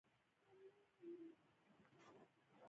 انجیوګانې خپلو فعالیتونو ته دوام ورکوي.